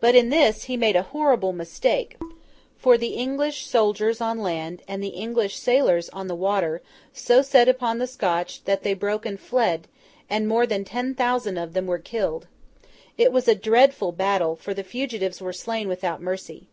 But in this he made a horrible mistake; for the English soldiers on land, and the English sailors on the water, so set upon the Scotch, that they broke and fled, and more than ten thousand of them were killed. It was a dreadful battle, for the fugitives were slain without mercy.